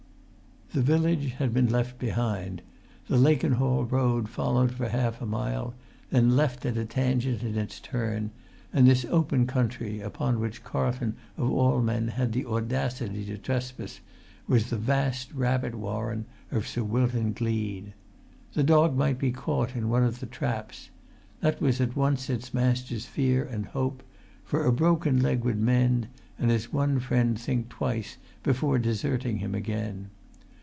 The village had been left behind; the Lakenhall road followed for half a mile, then left at a tangent in its turn; and this open country, upon which Carlton of all men had the audacity to trespass, was the vast rabbit warren of Sir Wilton Gleed. The dog might be caught in one of the traps; that was at once its master's fear and hope; for a broken leg would mend, and his one friend think twice before deserting him again.